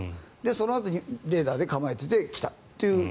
そのあとにレーダーで構えていて来た！という